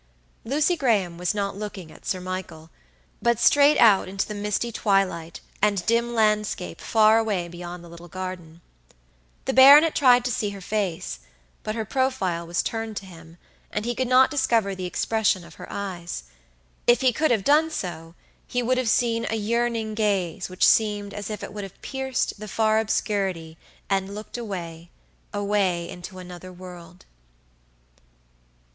Lucy Graham was not looking at Sir Michael, but straight out into the misty twilight and dim landscape far away beyond the little garden. The baronet tried to see her face, but her profile was turned to him, and he could not discover the expression of her eyes. If he could have done so, he would have seen a yearning gaze which seemed as if it would have pierced the far obscurity and looked awayaway into another world.